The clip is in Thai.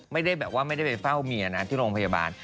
ไม่ได้แบบว่าไม่ได้ไปเฝ้าเมียนะที่โรงพยาบาล